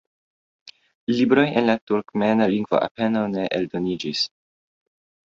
Libroj en la turkmena lingvo apenaŭ ne eldoniĝis.